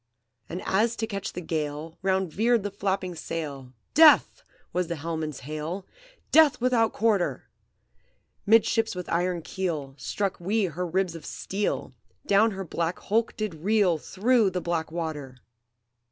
"And as to catch the gale Round veered the flapping sail, 'Death!' was the helmsman's hail, 'Death without quarter!' Midships with iron keel Struck we her ribs of steel; Down her black hulk did reel Through the black water!